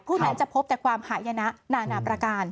ผู้นั้นจะพบแต่ความหายนะนานาประการ